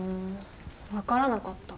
分からなかった。